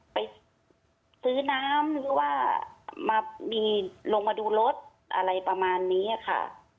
ไปซื้อน้ำหรือว่ามามีลงมาดูรถอะไรประมาณนี้ค่ะ